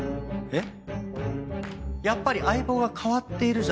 えっ？